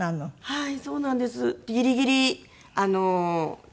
はい。